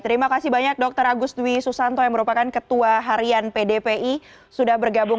terima kasih banyak dr agus dwi susanto yang merupakan ketua harian pdpi sudah bergabung